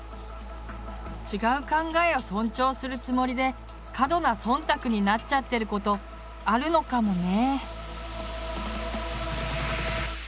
「違う考えを尊重する」つもりで「過度な忖度」になっちゃってることあるのかもね。